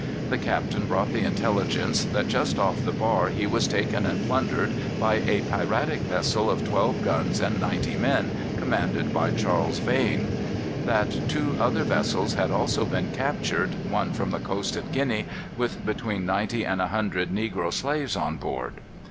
The captain brought the intelligence that just off the bar he was taken and plundered by a piratic vessel of twelve guns and ninety men, commanded by Charles Vane; that two other vessels had also been captured, one from the coast of Guinea, with between ninety and a hundred negro slaves on board.